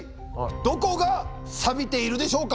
どこがサビているでしょうか。